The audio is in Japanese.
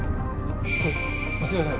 これ間違いない。